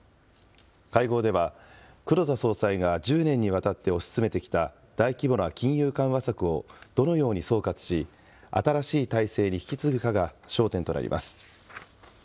会合では、黒田総裁が１０年にわたって推し進めてきた大規模な金融緩和策を、どのように総括し、新しい体制に引き継ぐかが焦点となります。